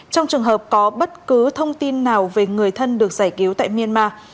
trong trường hợp có bất cứ thông tin nào về người thân được giải cứu tại myanmar